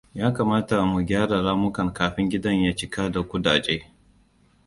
Ya kamata mu gyara ramukan kafin gidan ya cika da kudaje.